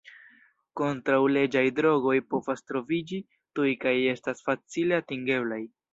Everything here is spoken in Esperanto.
Kontraŭleĝaj drogoj povas troviĝi tuj kaj estas facile atingeblaj.